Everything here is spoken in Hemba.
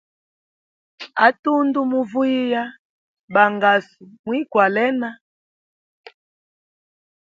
A tundu muvuyiya bangasu mwikwalena.